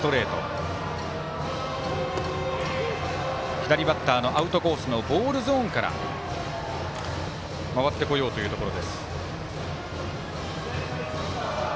左バッターのアウトコースのボールゾーンから回ってこようかというところ。